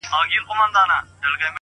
ولي پردۍ مینې ته لېږو د جهاني غزل!!